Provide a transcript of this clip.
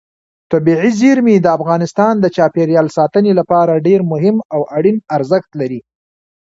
طبیعي زیرمې د افغانستان د چاپیریال ساتنې لپاره ډېر مهم او اړین ارزښت لري.